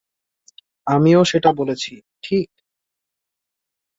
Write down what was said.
আমিও সেটা বলেছি, ঠিক?